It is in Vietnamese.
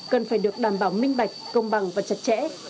cần phải được đảm bảo minh bạch công bằng và chặt chẽ